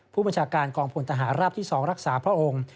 ผู้บัญชาการกองพลทหารราบที่๒รักษาพระองค์